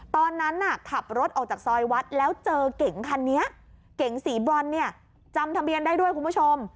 ตอนนั้นน่ะขับรถออกจากซอยวัดแล้วเจอเก๋งคันนี้เก๋งสีบรอนเนี่ยจำทะเบียนได้ด้วยคุณผู้ชม